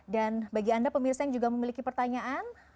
bagi anda pemirsa yang juga memiliki pertanyaan